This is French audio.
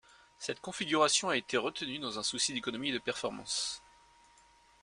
Cette configuration a été retenue dans un souci d’économies et de performances.